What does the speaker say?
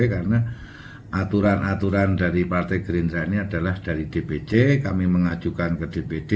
karena aturan aturan dari partai gerindra ini adalah dari dpc kami mengajukan ke dpd